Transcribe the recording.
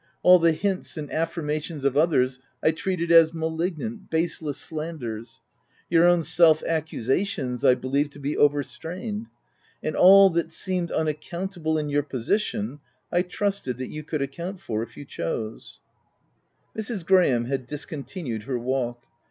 All the hints and affirmations of others I treated as malignant, baseless slanders ; your own self accusations 1 believed to be over strained ; and all that seemed unaccountable in your position, I trusted that you could account for if you chose/' Mrs. Graham had discontinued her walk.